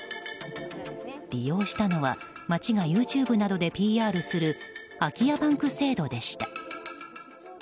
利用したのは町がＹｏｕＴｕｂｅなどでＰＲする空き家バンク制度でした。